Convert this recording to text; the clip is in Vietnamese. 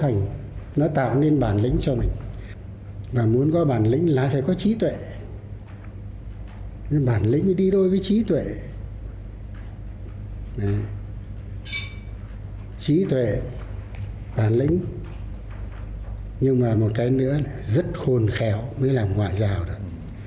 nó tạo nên bản lĩnh cho mình và muốn có bản lĩnh là phải có trí tuệ bản lĩnh đi đối với trí tuệ trí tuệ bản lĩnh nhưng mà một cái nữa là rất khôn khéo mới làm ngoại giao được